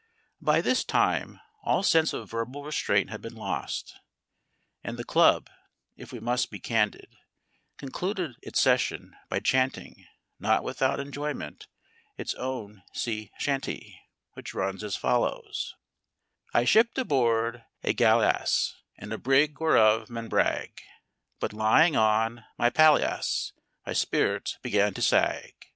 By this time, all sense of verbal restraint had been lost, and the club (if we must be candid) concluded its session by chanting, not without enjoyment, its own sea chantey, which runs as follows: I shipped aboard a galleass In a brig whereof men brag, But lying on my palliass My spirits began to sag.